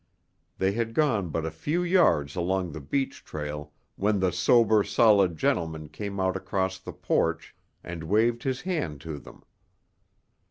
They had gone but a few yards along the beach trail when the sober, solid gentleman came out across the porch and waved his hand to them.